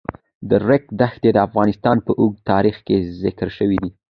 د ریګ دښتې د افغانستان په اوږده تاریخ کې ذکر شوی دی.